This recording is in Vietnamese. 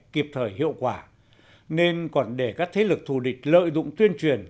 kịp thời hiệu quả nên còn để các thế lực thù địch lợi dụng tuyên truyền